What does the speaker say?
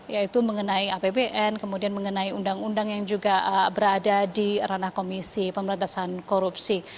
yaitu mengenai apbn kemudian mengenai undang undang yang juga berada di ranah komisi pemberantasan korupsi